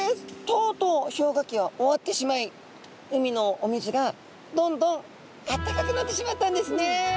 とうとう氷河期は終わってしまい海のお水がどんどんあったかくなってしまったんですね。